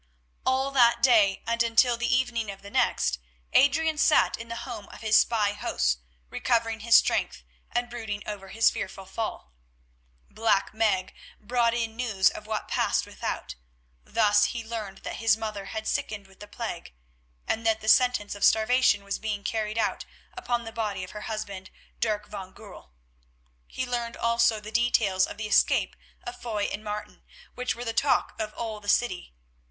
All that day and until the evening of the next Adrian sat in the home of his spy hosts recovering his strength and brooding over his fearful fall. Black Meg brought in news of what passed without; thus he learned that his mother had sickened with the plague, and that the sentence of starvation was being carried out upon the body of her husband, Dirk van Goorl. He learned also the details of the escape of Foy and Martin, which were the talk of all the city.